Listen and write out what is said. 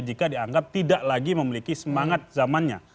jika dianggap tidak lagi memiliki semangat zamannya